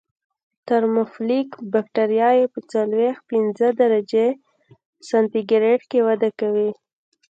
ترموفیلیک بکټریاوې په څلویښت پنځه درجې سانتي ګراد کې وده کوي.